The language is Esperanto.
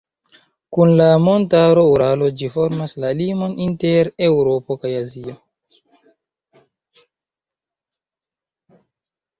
Kun la montaro Uralo ĝi formas la limon inter Eŭropo kaj Azio.